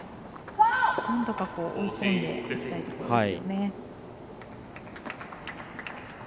なんとか追いついていきたいところです。